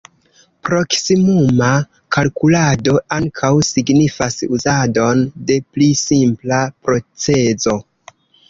Proksimuma kalkulado ankaŭ signifas uzadon de pli simpla procezo.